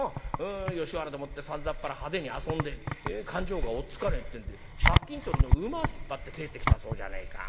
吉原でもってさんざっぱら派手に遊んで勘定が追っつかねえってんで借金取りの馬引っ張って帰ってきたそうじゃねえか。